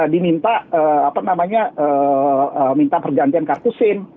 diminta pergantian kartu sim